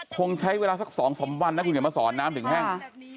คงใช้เวลาสัก๒๓วันนะคุณเขียนมาสอนน้ำถึงแห้ง